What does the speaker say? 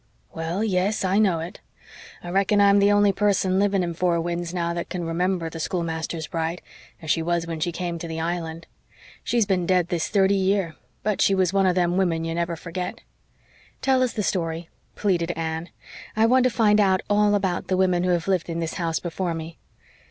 "Well, yes, I know it. I reckon I'm the only person living in Four Winds now that can remember the schoolmaster's bride as she was when she come to the Island. She's been dead this thirty year, but she was one of them women you never forget." "Tell us the story," pleaded Anne. "I want to find out all about the women who have lived in this house before me."